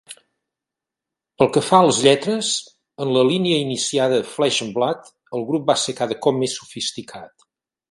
Pel que fa a les lletres, en la línia iniciada a "Flesh and blood", el grup va ser cada cop més sofisticat.